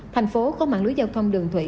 thành phố có mạng lưới giao thông đường thủy